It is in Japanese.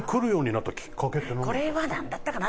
これはなんだったかな？